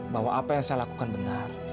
bahwa apa yang saya lakukan benar